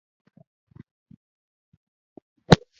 چې تر موږ یې اغېز راورسېد.